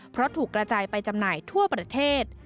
เพราะถูกกระจายไปจำหน่ายทั่วประเทศ